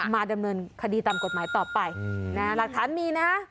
มาดำเนินคดีตามกฎหมายต่อไปหลักฐานมีนะ